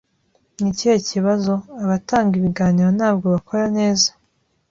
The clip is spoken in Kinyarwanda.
"Ni ikihe kibazo?" "Abatanga ibiganiro ntabwo bakora neza."